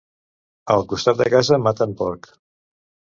Al costat de casa maten porc.